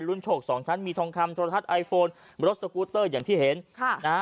ลุ้นโชค๒ชั้นมีทองคำโทรศัพท์ไอโฟนรถสกุตเตอร์อย่างที่เห็น